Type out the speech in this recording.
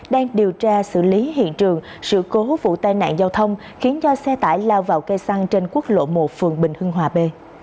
đang điều tra xử lý hiện trường sự cố vụ tai nạn giao thông khiến cho xe tải lao vào cây xăng trên quốc lộ một phường bình hưng hòa b